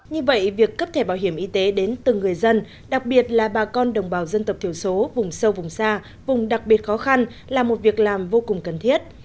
như vậy việc cấp thẻ bảo hiểm y tế đến từng người dân đặc biệt là bà con đồng bào dân tộc thiểu số vùng sâu vùng xa vùng đặc biệt khó khăn là một việc làm vô cùng cần thiết